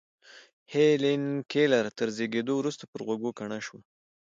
هېلېن کېلر تر زېږېدو وروسته پر غوږو کڼه شوه.